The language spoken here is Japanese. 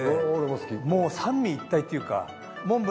もう三位一体っていうか。